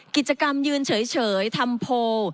กิจกรรมยืนเฉยทำโพล